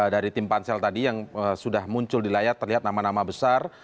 dari tim pansel tadi yang sudah muncul di layar terlihat nama nama besar